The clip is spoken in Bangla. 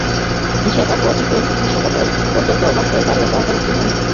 এশিয়া কাপ এবং টি-টোয়েন্টি বিশ্বকাপ পর্যন্তও বাড়তে পারে তাঁর দায়িত্বের মেয়াদ।